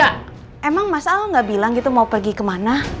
ya emang mas al nggak bilang gitu mau pergi kemana